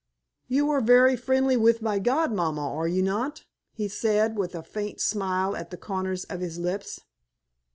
"You are very friendly with my godmamma, are you not?" he said, with a faint smile at the corners of his lips.